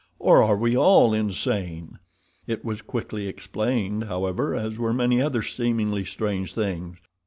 Or are we all insane?" It was quickly explained, however, as were many other seemingly strange things.